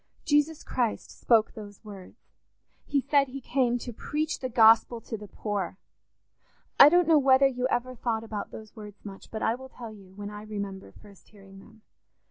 Jesus Christ spoke those words—he said he came to preach the Gospel to the poor: I don't know whether you ever thought about those words much, but I will tell you when I remember first hearing them.